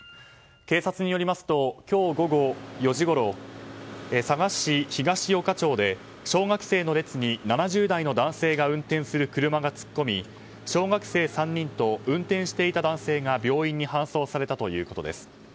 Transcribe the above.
警察によりますと今日午後４時ごろ佐賀市東与賀町で小学生の列に７０代の男性が運転する車が突っ込み小学生３人と運転していた男性が病院に搬送されたということです。